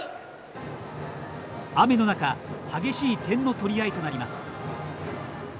雨の中激しい点の取り合いとなります。